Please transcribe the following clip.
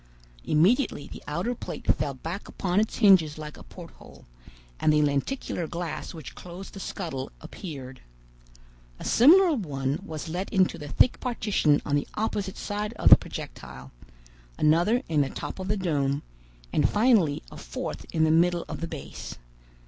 Immediately the outer plate fell back upon its hinges like a porthole, and the lenticular glass which closed the scuttle appeared. A similar one was let into the thick partition on the opposite side of the projectile, another in the top of the dome, and finally a fourth in the middle of the base.